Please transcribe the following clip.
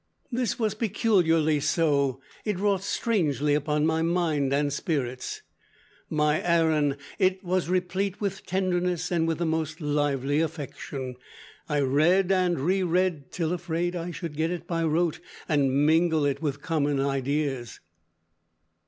This was peculiarly so. It wrought strangely upon my mind and spirits. My Aaron, it was replete with tenderness and with the most lively affection. I read and re read till afraid I should get it by rote, and mingle it with common ideas."